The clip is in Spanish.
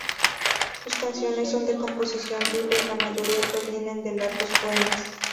Sus canciones son de composición libre y la mayoría provienen de largos poemas.